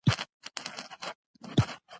سپین ږیری پلی روان دی.